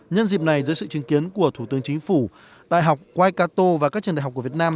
nhân dịp này dưới sự chứng kiến của thủ tướng chính phủ đại học wicatu và các trường đại học của việt nam